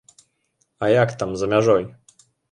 А як там, за мяжой?